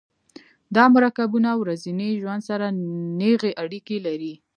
دا مرکبونه ورځني ژوند سره نیغې اړیکې لري.